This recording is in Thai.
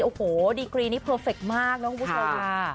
โอ้โหดีกรีนี้เพอร์เฟคมากนะคุณผู้ชม